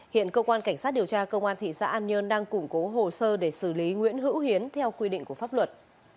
hiện cơ quan cảnh sát điều tra công an thị xã an nhơn đang củng cố hồ sơ để xử lý nguyễn hữu hiến theo quy định của pháp luật